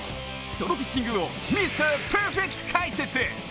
そのピッチングをミスターパーフェクト解説。